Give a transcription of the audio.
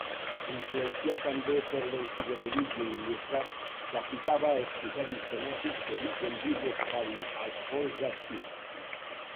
Influenciat també per l'enciclopedisme il·lustrat que aplicava els criteris temàtics d'origen bibliotecari als fons d'arxius.